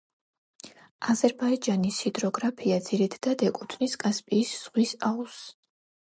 აზერბაიჯანის ჰიდროგრაფია ძირითადად ეკუთვნის კასპიის ზღვის აუზს.